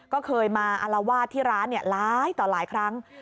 ก็เคยมาอารวาสที่ร้านหลายต่อหลายครั้ง